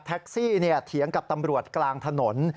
แท็กซี่เถียงกับตำรวจกลางถนน